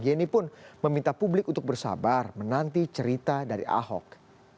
yeni pun meminta publik untuk bersabar menanti cerita dari ahok